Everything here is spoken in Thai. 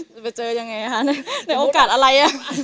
จะไปเจอยังไงคะในโอกาสอะไรอ่ะ